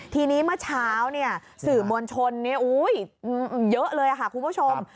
ทีนี้เมื่อเช้าสื่อมวลชนเยอะเลยค่ะคุณผู้ชม